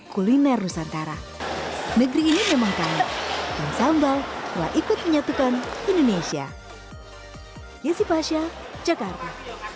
kuliner nusantara negeri ini memang kaya dan sambal telah ikut menyatukan indonesia yesi pasha jakarta